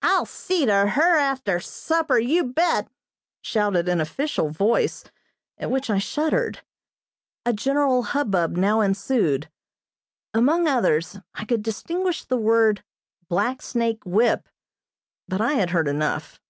"I'll see to her after supper, you bet!" shouted an official voice, at which I shuddered. A general hubbub now ensued; among others I could distinguish the word "black snake whip," but I had heard enough.